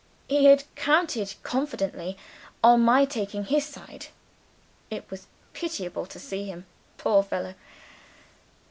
He had counted confidently on my taking his side it was pitiable to see him, poor fellow!